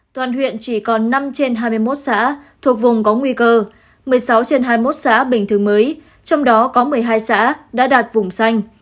toàn huyện chỉ còn năm trên hai mươi một xã thuộc vùng có nguy cơ một mươi sáu trên hai mươi một xã bình thường mới trong đó có một mươi hai xã đã đạt vùng xanh